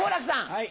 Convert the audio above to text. はい。